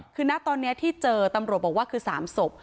คือณตอนนี้ที่เจอตำรวจบอกว่าคือ๓ศพ